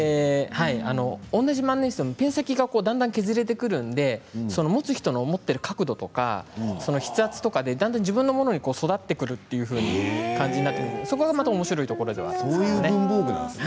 同じ万年筆でもペン先がだんだん削れてくるので持つ人の持ってる角度とか筆圧とかでだんだん自分のものに育ってくるという感じになってきてそこがまたおもしろいところでもあります。